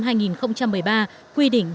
quy định tại chính phủ